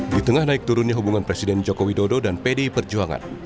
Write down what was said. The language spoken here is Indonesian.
di tengah naik turunnya hubungan presiden joko widodo dan pdi perjuangan